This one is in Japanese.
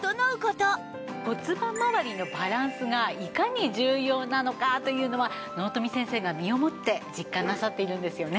骨盤まわりのバランスがいかに重要なのかというのは納富先生が身をもって実感なさっているんですよね。